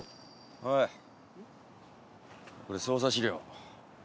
おいこれ捜査資料。